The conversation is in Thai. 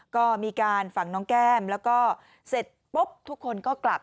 ก็มีการฝังน้องแก้มแล้วก็เสร็จปุ๊บทุกคนก็กลับ